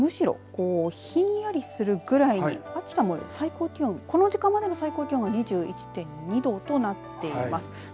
少しひんやりするぐらい秋田の最高気温この時間までの最高気温は２１．２度となっています。